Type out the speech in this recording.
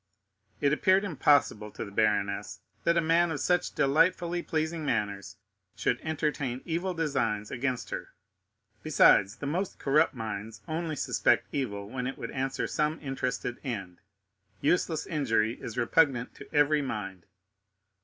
It appeared impossible to the baroness that a man of such delightfully pleasing manners should entertain evil designs against her; besides, the most corrupt minds only suspect evil when it would answer some interested end—useless injury is repugnant to every mind.